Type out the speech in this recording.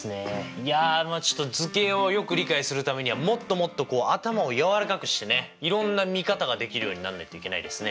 いやちょっと図形をよく理解するためにはもっともっと頭をやわらかくしてねいろんな見方ができるようになんないといけないですね。